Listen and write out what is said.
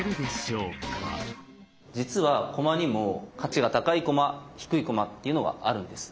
実は駒にも価値が高い駒低い駒っていうのがあるんです。